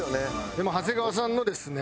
でも長谷川さんのですね